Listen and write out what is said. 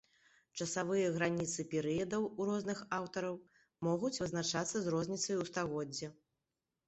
Часавыя граніцы перыядаў у розных аўтараў могуць вызначацца з розніцай у стагоддзе.